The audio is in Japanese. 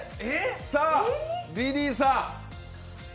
さあ、リリーさん。